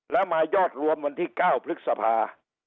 แล้วมายอดรวมวันที่๙พฤษภา